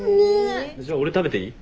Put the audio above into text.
じゃあ俺食べていい？